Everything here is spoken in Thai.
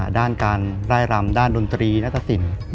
ด้านการไล่รำด้านดนตรีนัตตสิน